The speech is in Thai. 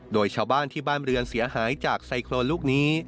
โดยชาวบ้านที่บ้านเรือนเสียหายจากไซโครนลูกนี้